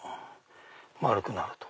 丸くなる。